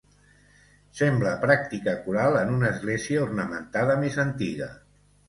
Sembla pràctica coral en una església ornamentada més antiga.